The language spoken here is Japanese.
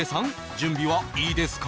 準備はいいですか？